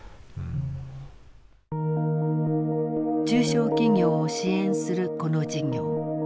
中小企業を支援するこの事業。